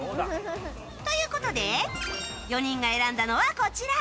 ということで４人が選んだのはこちら。